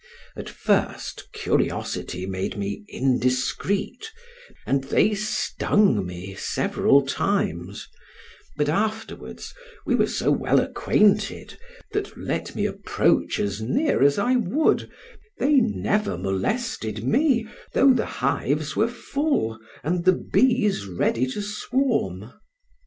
At first, curiosity made me indiscreet, and they stung me several times, but afterwards, we were so well acquainted, that let me approach as near as I would, they never molested me, though the hives were full and the bees ready to swarm.